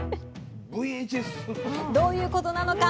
どういうことなのか？